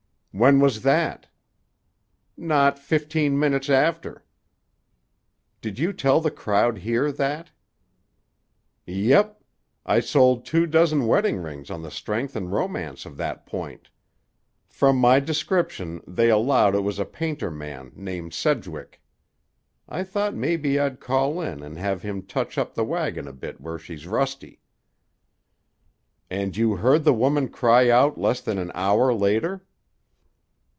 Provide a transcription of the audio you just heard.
"When was that?" "Not fifteen minutes after." "Did you tell the crowd here that?" "Yep. I sold two dozen wedding rings on the strength and romance of that point. From my description they allowed it was a painter man named Sedgwick. I thought maybe I'd call in and have him touch up the wagon a bit where she's rusty." "And you heard the woman cry out less than an hour later?"